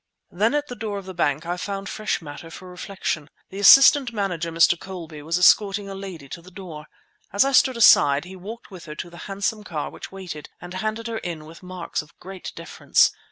Then at the door of the bank I found fresh matter for reflection. The assistant manager, Mr. Colby, was escorting a lady to the door. As I stood aside, he walked with her to a handsome car which waited, and handed her in with marks of great deference.